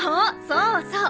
そうそう。